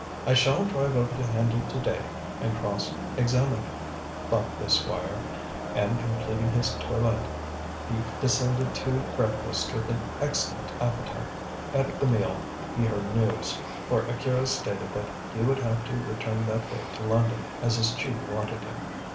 "I shall drive over to Hendle to day and cross examine him," thought the Squire; and completing his toilette he descended to breakfast with an excellent appetite. At the meal he heard news, for Akira stated that he would have to return that day to London, as his Chief wanted him.